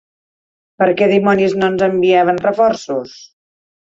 Per què dimonis no ens enviaven reforços.